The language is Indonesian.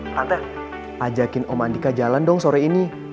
tante ajakin om andika jalan dong sore ini